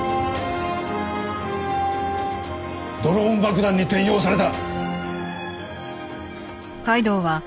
ドローン爆弾に転用された。